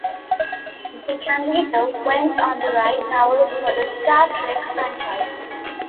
DeCandido went on to write novels for the "Star Trek" franchise.